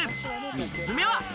３つ目は。